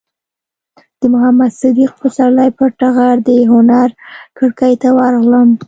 د محمد صدیق پسرلي پر ټغر د هنر کړکۍ ته ورغلم.